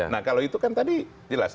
nah kalau itu kan tadi jelas